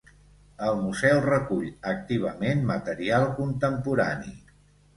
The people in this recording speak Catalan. El museu recull activament material contemporani.